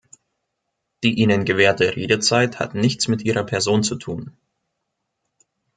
Die Ihnen gewährte Redezeit hat nichts mit Ihrer Person zu tun.